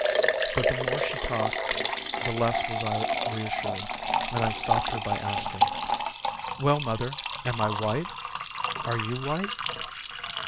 But the more she talked, the less was I reassured, and I stopped her by asking: "Well, mother, am I white? Are you white?"